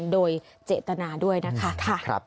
โดยเจตนาด้วยนะคะ